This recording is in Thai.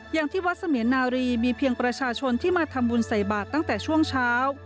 อย่างที่วัดเสมียนนารีมีเพียงประชาชนที่มาทำบุญใส่บาทตั้งแต่ช่วงเช้า